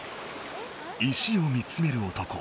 石を見つめる男。